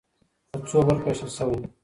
په څو برخو وېشل سوی.